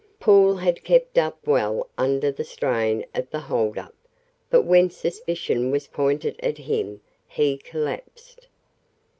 Paul had kept up well under the strain of the hold up, but when suspicion was pointed at him he collapsed.